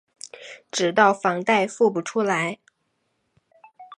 直到房贷付不出来